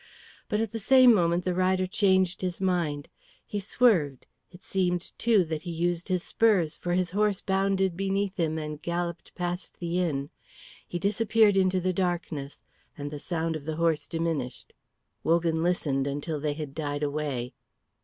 But at the same moment the rider changed his mind. He swerved; it seemed too that he used his spurs, for his horse bounded beneath him and galloped past the inn. He disappeared into the darkness, and the sound of the horse diminished. Wogan listened until they had died away.